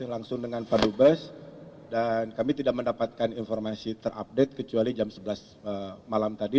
langsung dengan pak dubes dan kami tidak mendapatkan informasi terupdate kecuali jam sebelas malam tadi